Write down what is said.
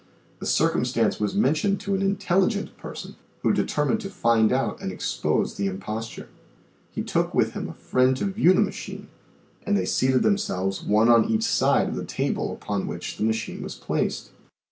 The circumstance was men tioned to an intelligent person who determined to find out and expose the imposture. He took with him a friend to view the machine and they seated themselves one on each side of the table upon which the machine was placed.